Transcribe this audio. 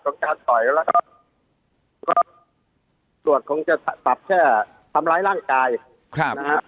การต่อยแล้วก็ตรวจคงจะปรับแค่ทำร้ายร่างกายนะฮะ